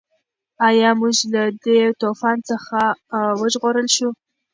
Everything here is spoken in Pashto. ایا موږ له دې طوفان څخه وژغورل شوو؟